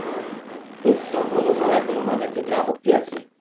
উক্ত ক্রমধারায় কোন কোন নামের ক্ষেত্রে আপত্তি আছে।